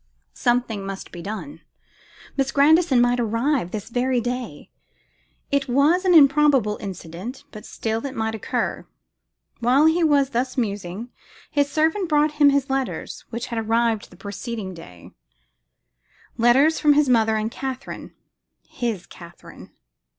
Something must be done; Miss Grandison might arrive this very day. It was an improbable incident, but still it might occur. While he was thus musing, his servant brought him his letters, which had arrived the preceding day, letters from his mother and Katherine, his Katherine.